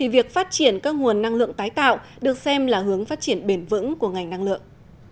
việc phát triển các nguồn năng lượng tái tạo được xem là hướng phát triển bền vững của ngành năng lượng